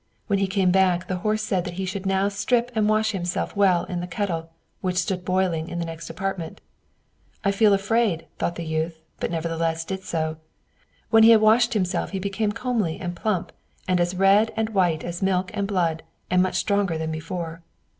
When he came back, the horse said that now he should strip and wash himself well in the kettle, which stood boiling in the next apartment. "I feel afraid," thought the youth, but nevertheless did so. When he had washed himself, he became comely and plump, and as red and white as milk and blood, and much stronger than before.